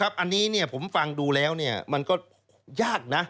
อันนี้ผมฟังดูแล้วมันก็ยากนะ